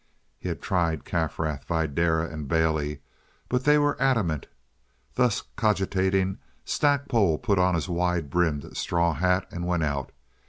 He had tried Kaffrath, Videra, and Bailey, but they were adamant. Thus cogitating, Stackpole put on his wide brimmed straw hat and went out.